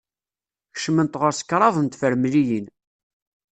Kecment ɣer-s kraḍ n tefremliyin.